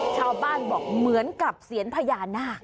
ชาวบ้านบอกเหมือนกับเสียญพญานาค